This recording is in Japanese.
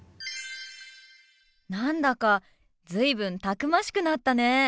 何だか随分たくましくなったね。